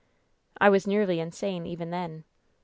"I was nearly insane, even then.